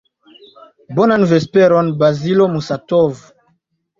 Bonan vesperon, Bazilo Musatov.